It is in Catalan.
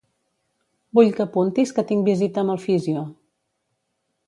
Vull que apuntis que tinc visita amb el físio.